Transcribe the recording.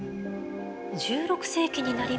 １６世紀になりますと。